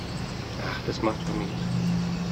Ach, das macht doch nichts.